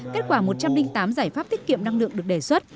kết quả một trăm linh tám giải pháp tiết kiệm năng lượng được đề xuất